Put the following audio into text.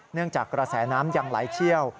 เนื่องจากกระแสน้ำยังไหลเชี่ยว